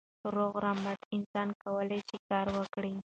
روغ رمټ انسان کولای سي کار وکړي.